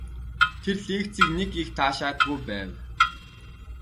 Тэр лекцийг нэг их таашаадаггүй байв.